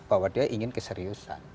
bahwa dia ingin keseriusan